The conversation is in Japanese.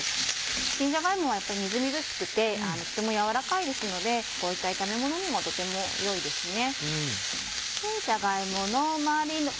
新じゃが芋はやっぱりみずみずしくてとても柔らかいですのでこういった炒めものにもとてもよいですね。